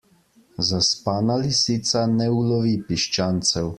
Zaspana lisica ne ulovi piščancev.